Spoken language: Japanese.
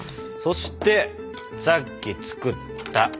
そしてさっき作った。